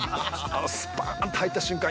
スパーンと入った瞬間